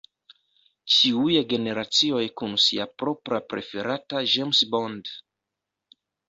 Ĉiuj generacioj kun sia propra preferata James Bond.